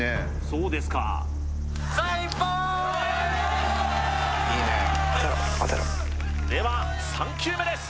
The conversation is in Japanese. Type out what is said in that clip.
そうですかでは３球目です！